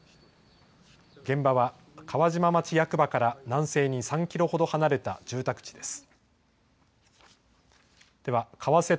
現場は川島町役場から南西に３キロほど離れた住宅地です。